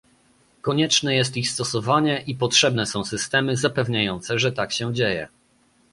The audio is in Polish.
konieczne jest ich stosowanie i potrzebne są systemy zapewniające, że tak się dzieje